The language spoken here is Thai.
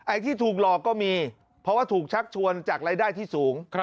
ที่ถูกหลอกก็มีเพราะว่าถูกชักชวนจากรายได้ที่สูง